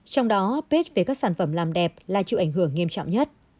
trong đó bếp về các sản phẩm làm đẹp là chịu ảnh hưởng nghiêm trọng nhất